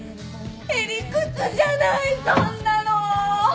へ理屈じゃないそんなの！